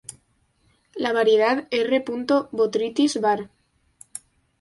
La variedad "R. botrytis" var.